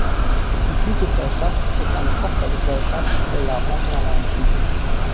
Die Fluggesellschaft ist eine Tochtergesellschaft der Japan Airlines.